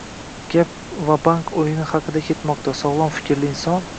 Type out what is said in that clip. gap “Vabank o‘yini” haqida ketmoqda, sog‘lom fikrli inson